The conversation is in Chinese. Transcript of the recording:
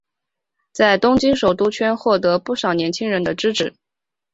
在东京首都圈获得不少年轻人支持。